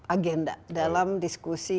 agenda dalam diskusi